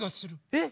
えっ